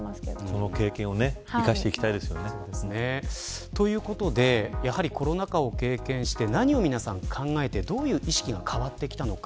この経験を生かしていきたいですよね。ということでコロナ禍を経験して何を皆さん考えて意識がどう変わってきたのか。